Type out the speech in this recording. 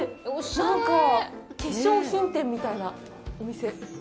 なんか化粧品店みたいなお店。